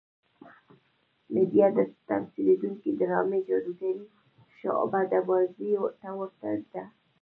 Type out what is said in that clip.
میډیا د تمثیلېدونکې ډرامې جادوګرې شعبده بازۍ ته ورته ده.